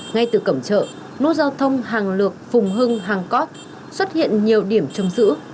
ngay từ cầm chợ nút giao thông hàng lược phùng hưng hàng cót xuất hiện nhiều điểm trầm giữ